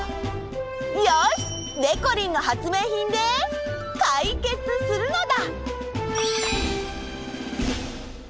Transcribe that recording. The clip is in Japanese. よし！でこりんの発明品でかいけつするのだ！